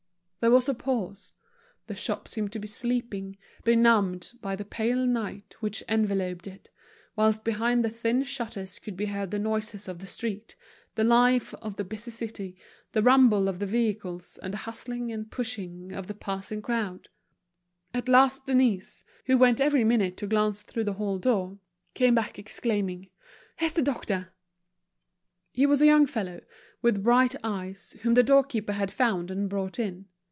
There was a pause. The shop seemed to be sleeping, benumbed by the pale night which enveloped it; whilst behind the thin shutters could be heard the noises of the street, the life of the busy city, the rumble of the vehicles, and the hustling and pushing of the passing crowd. At last Denise, who went every minute to glance through the hall door, came back, exclaiming: "Here's the doctor!" He was a young fellow, with bright eyes, whom the doorkeeper had found and brought in.